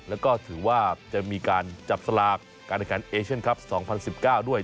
แล้วก็ถือว่าจะมีการจับสลากการอาการเอเชินคัป๒๐๑๙ด้วย